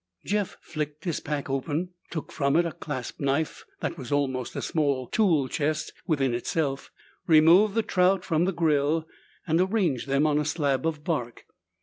Jeff flicked his pack open, took from it a clasp knife that was almost a small tool chest within itself, removed the trout from the grill, and arranged them on a slab of bark.